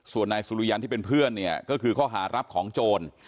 ส่วนนายสุริยันที่เป็นเพื่อนเนี่ยก็คือข้อหารับของโจร